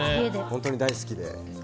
本当に大好きで。